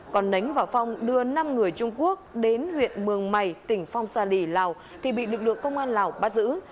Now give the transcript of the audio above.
còn nánh và phong đưa năm người trung quốc đến huyện mường mày tỉnh phong sa lì lào thì bị lực lượng công an lào bắt giữ